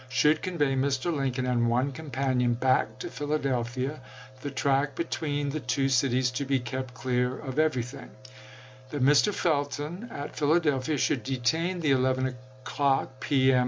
should convey Mr. Lincoln and one companion back to Philadelphia, the track between the two cities to be kept clear of everything; that Mr. Felton at Philadelphia should detain the 11 o'clock p. M.